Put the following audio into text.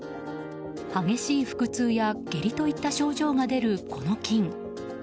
激しい腹痛や下痢といった症状が出るこの菌。